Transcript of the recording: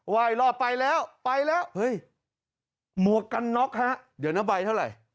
ว่ายรอบไปแล้วไปแล้วเฮ้ยหมวกกันน็อกฮะเดี๋ยวนะใบเท่าไหร่